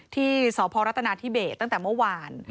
ที่สพรัฐนาธิเบสตั้งแต่เมื่อวาน